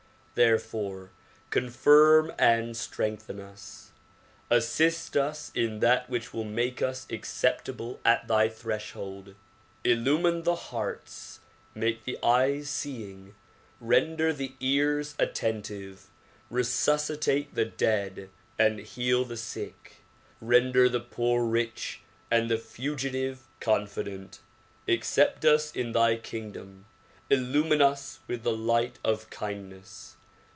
Therefore confirm and strengthen us. Assist us in that which will make us acceptable at thy threshold. Illumine the hearts, make the eyes seeing, render the ears attentive, resuscitate the dead and heal the sick. Render the poor rich and the fugitive confident. Accept us in thy king dom. Illumine us with the light of kindness.